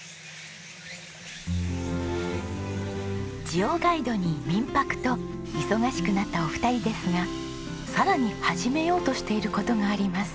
ジオガイドに民泊と忙しくなったお二人ですがさらに始めようとしている事があります。